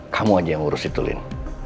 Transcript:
kamu aja yang ngurus itu lin